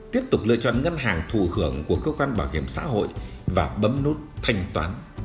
tiếp tục lựa chọn ngân hàng thù hưởng của cơ quan bảo hiểm xã hội và bấm nút thanh toán